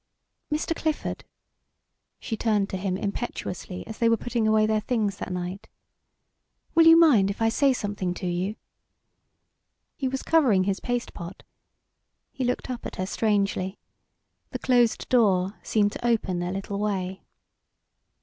"Mr. Clifford," she turned to him impetuously as they were putting away their things that night, "will you mind if I say something to you?" He was covering his paste pot. He looked up at her strangely. The closed door seemed to open a little way.